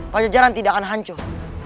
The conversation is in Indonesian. pajajaran tidak akan hancur